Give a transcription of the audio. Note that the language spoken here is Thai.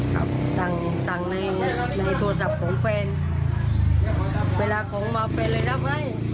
ครับสั่งสั่งในในโทรศัพท์ของเฟรนเวลาของมาเฟรนเลยรับไว้